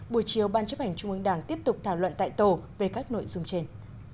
buổi chiều ban chấp hành trung ương đảng tiếp tục thảo luận tại tổ về các nội dung trên